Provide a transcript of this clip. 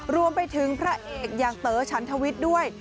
รวมไปถึงพระเอกอย่างเต๋อฉันทวิทย์ด้วย